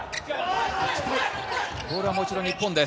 ボールはもう一度日本です。